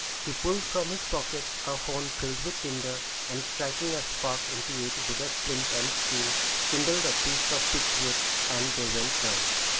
He pulled from his pocket a horn filled with tinder, and striking a spark into it with a flint and steel, kindled a piece of pitch wood, and they went down.